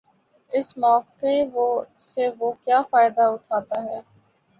اس موقع سے وہ کیا فائدہ اٹھاتا ہے۔